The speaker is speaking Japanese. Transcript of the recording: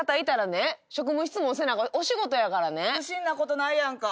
不審なことないやんか。